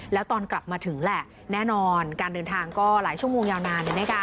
แล้วตอนกลับมาถึงแหละแน่นอนการเดินทางก็หลายชั่วโมงยาวนาน